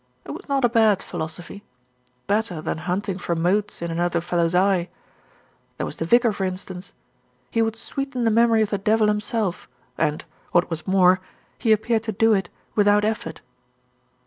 It was not a bad philosophy; better than hunting for motes in another fellow's eye. There was the vicar, for instance. He would sweeten the memory of the devil himself and, what was more, he appeared to do it without effort.